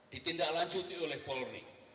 ditindaklanjuti oleh polri